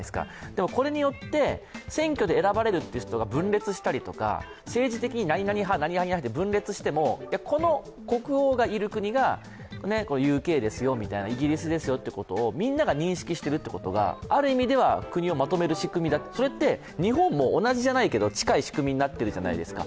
でもこれによって選挙に選ばれる人が分裂したりとか政治的に何々派と分裂してもこの国王がいる国がＵＫですよ、イギリスですよということをみんなが認識するということがある意味では国をまとめる仕組み、それって、日本も同じじゃないけど、近い仕組みになってるじゃないですか。